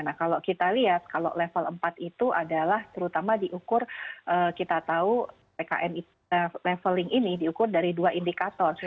nah kalau kita lihat kalau level empat itu adalah terutama diukur kita tahu pkn leveling ini diukur dari dua indikator